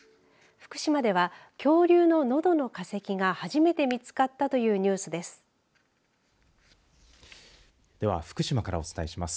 福島では恐竜ののどの化石が初めて見つかったというニュースです。